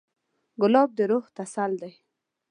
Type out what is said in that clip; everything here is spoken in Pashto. ګلاب د روح تسل دی.